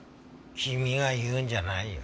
君が言うんじゃないよ。